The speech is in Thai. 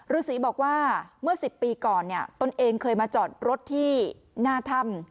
ฤษีบอกว่าเมื่อ๑๐ปีก่อนเนี่ยตนเองเคยมาจอดรถที่หน้าถ้ำ